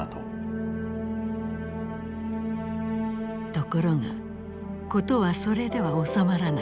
ところが事はそれでは収まらなかった。